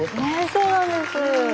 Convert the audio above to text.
そうなんです。